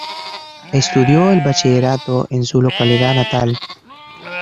Estudió el Bachillerato en su localidad natal.